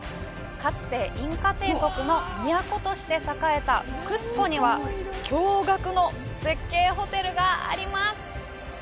かつてインカ帝国の都として栄えたクスコには驚愕の絶景ホテルがあります。